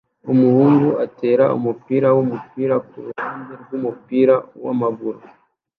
Umuhungu atera umupira wumupira kuruhande rwumupira wamaguru